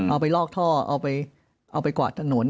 เอาไปลอกท่อเอาไปกวาดถนน